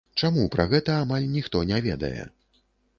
Чаму пра гэта амаль ніхто не ведае?